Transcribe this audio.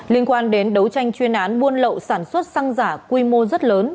liên quan đến đấu tranh chuyên án buôn lậu sản xuất xăng giả quy mô rất lớn